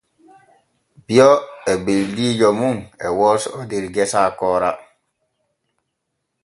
Bio e beldiijo mum e wooso der gesa koora.